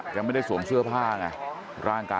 คุณยายบุญช่วยนามสกุลสุขล้ำ